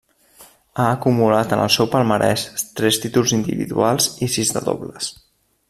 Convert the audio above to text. Ha acumulat en el seu palmarès tres títols individuals i sis de dobles.